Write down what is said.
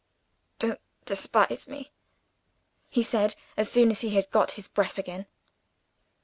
"Don't despise me!" he said, as soon as he had got his breath again.